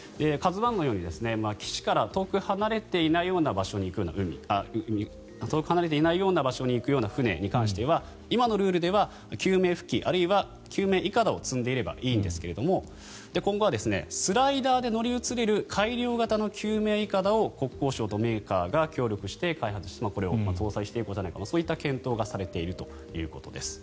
「ＫＡＺＵ１」のように岸から遠く離れていないような場所に行く船は今のルールでは救命浮器あるいは救命いかだを積んでいればいいんですが今後はスライダーで乗り移れる改良型の救命いかだを国交省とメーカーが協力して開発してこれを搭載していこうというそういった検討がされているということです。